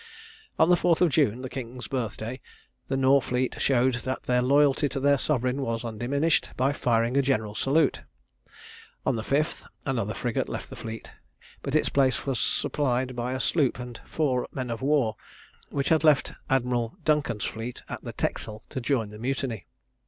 On the 4th of June, the king's birth day, the Nore fleet showed that their loyalty to their sovereign was undiminished, by firing a general salute. On the 5th, another frigate left the fleet, but its place was supplied by a sloop and four men of war, which had left Admiral Duncan's fleet at the Texel to join the mutiny.